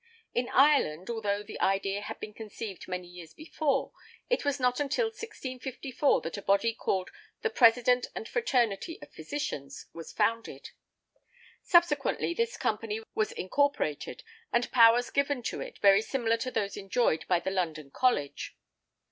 In Ireland, although the idea had been conceived many years before, it was not until 1654 that a body called "The President and Fraternity of Physicians" was founded; subsequently this company was incorporated and powers given to it very similar to those enjoyed by the London College.